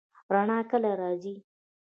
رڼا کله راځي؟